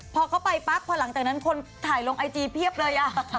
พอเข้าไปปั๊บพอหลังจากนั้นคนถ่ายลงไอจีเพียบเลย